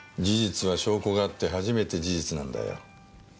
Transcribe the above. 事実は証拠があって初めて事実なんだよ。